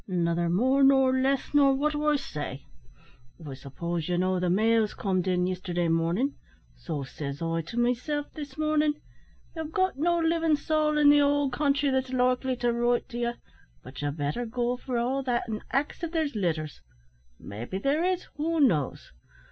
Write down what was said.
"Nother more or less nor what I say. I suppose ye know the mail's comed in yisterday morning; so says I to myself this mornin', `Ye've got no livin' sowl in the owld country that's likely to write to ye, but ye better go, for all that, an' ax if there's letters. Maybe there is; who knows?'